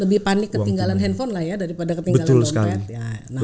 lebih panik ketinggalan handphone lah ya daripada ketinggalan dompet